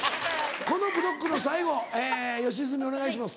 このブロックの最後吉住お願いします。